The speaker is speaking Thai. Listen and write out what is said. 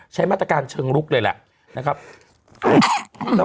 ใช้มาตรการเชิงลูกเลยแหละ